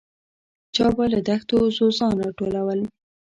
چا به له دښتو ځوځان راټولول.